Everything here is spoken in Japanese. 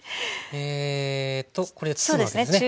えっとこれを包むわけですね。